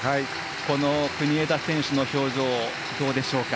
この国枝選手の表情どうでしょうか。